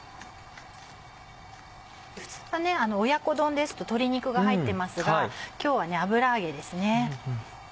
普通は親子丼ですと鶏肉が入ってますが今日は油揚げですね。